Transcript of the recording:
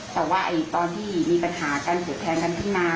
แต่ว่าตอนที่มีปัญหากันถูกแทงกันขึ้นมา